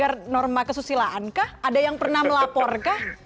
ada norma kesusilaankah ada yang pernah melaporkah